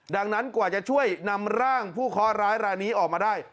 ดังนั้นกว่าจะช่วยนำร่างผู้เคาะร้ายรายนี้ออกมาได้